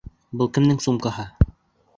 Был кемдең сумкаһы?